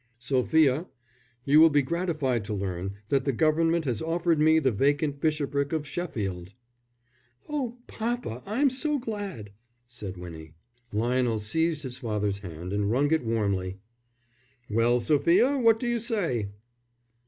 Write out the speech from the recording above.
"Sophia, you will be gratified to learn that the Government has offered me the vacant bishopric of Sheffield." "Oh, papa, I'm so glad," said Winnie. Lionel seized his father's hand and wrung it warmly. "Well, Sophia, what do you say?"